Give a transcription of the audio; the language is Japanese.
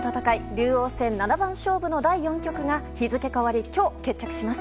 竜王戦七番勝負の第４局が日付変わり今日、決着します。